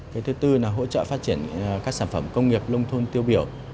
cái thứ tư là hỗ trợ phát triển các sản phẩm công nghiệp nông thôn tiêu biểu